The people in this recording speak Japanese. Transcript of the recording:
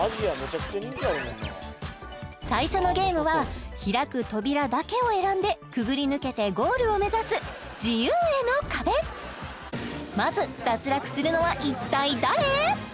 最初のゲームは開く扉だけを選んでくぐり抜けてゴールを目指す自由への壁まず脱落するのは一体誰？